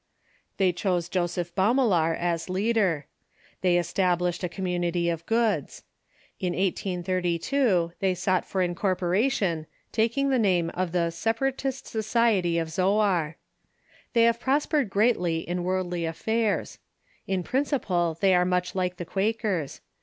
They chose Joseph Baumeler as leader. They established a community of goods. In 1832 they sought for incorporation, taking the name of the Separatist Society of Zoar. They have prospered greatly in worldly affairs. In principle they are much like the Quakers.